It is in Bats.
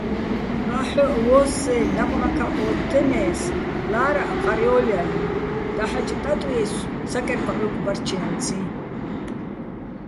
აჰ̦ოჸ ვო́სსეჼ, ნაყმაქა́ჸ ო́თთენე́ს, ლა́რაჸ ყარ ჲო́ლჲალიჼ, დაჰ̦აჭ ტატვიესო̆ საკერკჵო́უკო̆ ბარჩე́მციჼ.